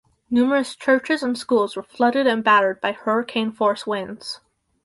Numerous churches and schools were flooded and battered by hurricane-force winds.